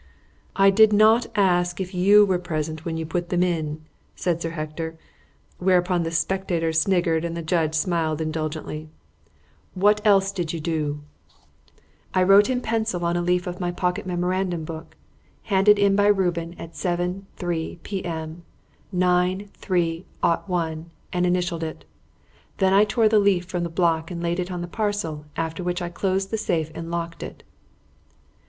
"I did not ask if you were present when you put them in," said Sir Hector (whereupon the spectators sniggered and the judge smiled indulgently). "What else did you do?" "I wrote in pencil on a leaf of my pocket memorandum block, 'Handed in by Reuben at 7.3 p.m., 9.3.01,' and initialled it. Then I tore the leaf from the block and laid it on the parcel, after which I closed the safe and locked it."